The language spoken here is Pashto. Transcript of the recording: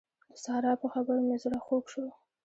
د سارا په خبرو مې زړه خوږ شو.